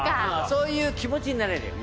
「そういう気持ちになれるよ」